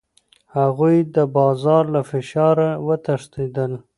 هغوی د بازار له فشاره وتښتېدل.